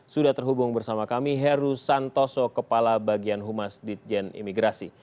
sudah terhubung bersama kami heru santoso kepala bagian humas ditjen imigrasi